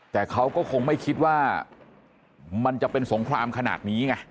แต่เขาก็คงไม่คิดว่ามันจะเป็นสงครามขนาดนี้ไง